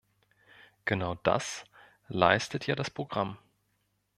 Genau das leistet ja das Programm.